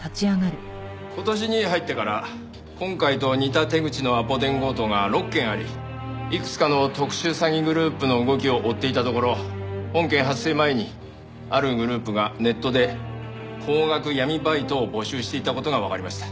今年に入ってから今回と似た手口のアポ電強盗が６件ありいくつかの特殊詐欺グループの動きを追っていたところ本件発生前にあるグループがネットで高額闇バイトを募集していた事がわかりました。